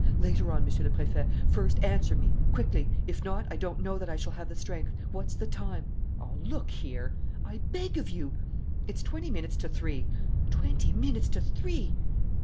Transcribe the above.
"Later on, Monsieur le Préfet. First answer me. Quickly! If not, I don't know that I shall have the strength. What's the time?" "Oh, look here!" "I beg of you " "It's twenty minutes to three." "Twenty minutes to three!"